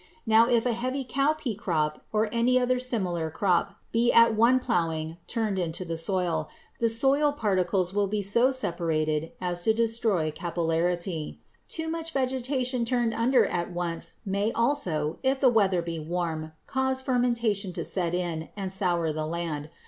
Now if a heavy cowpea crop or any other similar crop be at one plowing turned into the soil, the soil particles will be so separated as to destroy capillarity. Too much vegetation turned under at once may also, if the weather be warm, cause fermentation to set in and "sour the land."